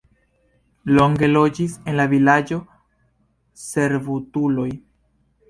Longe loĝis en la vilaĝo servutuloj.